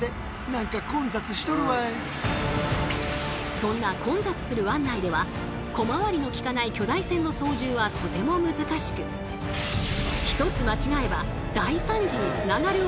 そんな混雑する湾内では小回りのきかない巨大船の操縦はとても難しく一つ間違えば大惨事につながるおそれも。